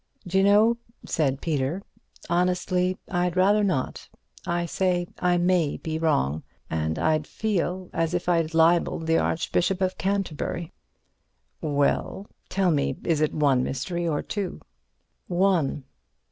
"D'you know," said Peter, "honestly I'd rather not. I say I may be wrong—and I'd feel as if I'd libelled the Archbishop of Canterbury." "Well, tell me—is it one mystery or two?" "One."